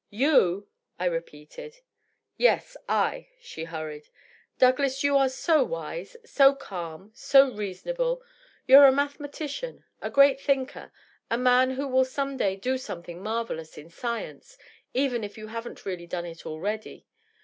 "Your I repeated. " Yes, I," she hurried. " Douglas, you are so wise, so calm, so rea sonable ; you're a mathematician, a great thinker, a man who will some day do something marvellous in science, even if you haven't really done it already.